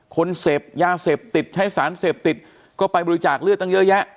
คนเสพยาเสพติดใช้สารเสพติดก็ไปบริจาคเลือดตั้งเยอะแยะ